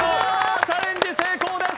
チャレンジ成功です。